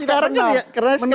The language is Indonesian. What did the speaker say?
karena sekarang kan ya